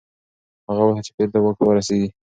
هغه غوښتل چي بیرته واک ته ورسیږي.